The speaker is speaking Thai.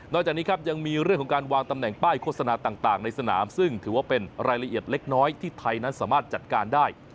จากนี้ครับยังมีเรื่องของการวางตำแหน่งป้ายโฆษณาต่างในสนามซึ่งถือว่าเป็นรายละเอียดเล็กน้อยที่ไทยนั้นสามารถจัดการได้